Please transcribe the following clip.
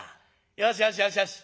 よしよしよしよし。